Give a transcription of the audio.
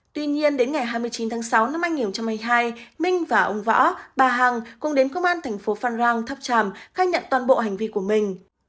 tuy nhiên đến ngày hai mươi chín tháng sáu năm hai nghìn hai mươi hai minh và ông võ bà hằng cùng đến công an thành phố phan rang tháp tràm khai nhận toàn bộ hành vi của mình